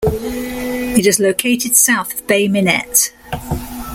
It is located south of Bay Minette.